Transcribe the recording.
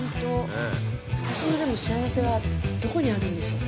私の幸せはどこにあるんでしょう？